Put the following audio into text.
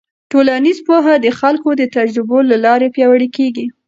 ټولنیز پوهه د خلکو د تجربو له لارې پیاوړې کېږي.